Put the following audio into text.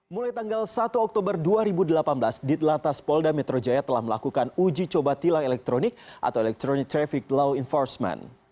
mulai tanggal satu oktober dua ribu delapan belas ditlantas polda metro jaya telah melakukan uji coba tilang elektronik atau electronic traffic law enforcement